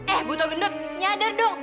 eh butuh gendut nyadar dong